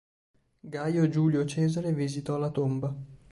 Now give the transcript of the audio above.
Gaio Giulio Cesare visitò la tomba.